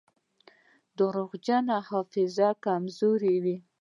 د درواغجن حافظه کمزورې وي.